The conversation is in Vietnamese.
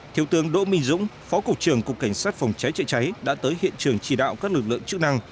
thiếu tướng đỗ minh dũng phó cục trưởng cục cảnh sát phòng cháy chữa cháy đã tới hiện trường chỉ đạo các lực lượng chức năng